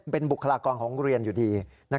เป็นบุคลากรของโรงเรียนอยู่ดี